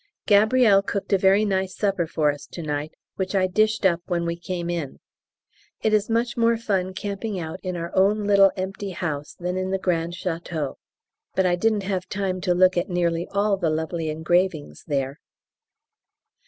Gabrielle cooked a very nice supper for us to night which I dished up when we came in. It is much more fun camping out in our own little empty house than in the grand Château but I didn't have time to look at nearly all the lovely engravings there.